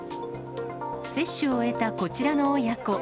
接種を終えたこちらの親子。